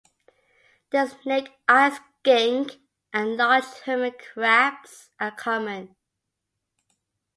The snake-eyed skink and large hermit crabs are common.